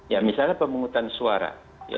ya misalnya pemungutan suara